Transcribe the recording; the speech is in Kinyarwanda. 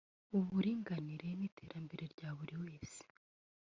uburinganire n’iterambere rya buri wese